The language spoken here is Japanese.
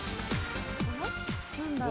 何だろう？